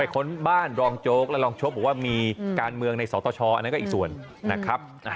ค้นบ้านรองโจ๊กและรองโจ๊กบอกว่ามีการเมืองในสตชอันนั้นก็อีกส่วนนะครับ